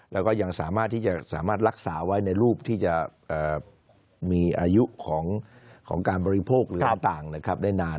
แล้วก็ยังสามารถที่จะสามารถรักษาไว้ในรูปที่จะมีอายุของการบริโภคหรือต่างนะครับได้นาน